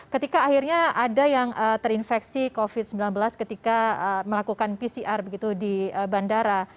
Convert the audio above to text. ketika akhirnya ada yang terinfeksi covid sembilan belas ketika melakukan pcr begitu di bandara